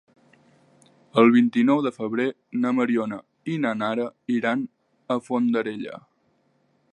El vint-i-nou de febrer na Mariona i na Nara iran a Fondarella.